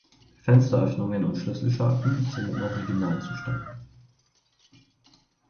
Fensteröffnungen und Schlüsselscharten sind im Originalzustand.